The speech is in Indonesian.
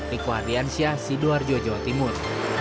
riku ardiansyah sidoarjo jawa timur